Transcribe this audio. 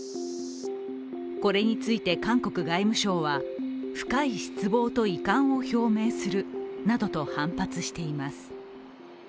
これについて韓国外務省は、深い失望と遺憾を表明するなどと反発しています。